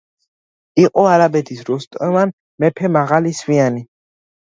იყო არაბეთს როსტევან მეფე მაღალი სვიანი